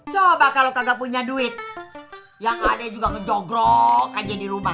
coba kalau kagak punya duit yang ada juga ngejogrok aja di rumah